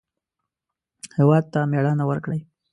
هېواد ته مېړانه ورکړئ